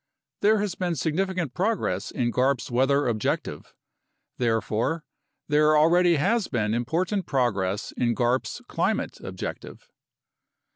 There has been significant progress in garp's weather objec tive; therefore, there already has been important progress in garp's climate objective.